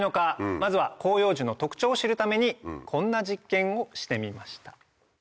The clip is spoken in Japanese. まずは広葉樹の特徴を知るためにこんな実験をしてみました。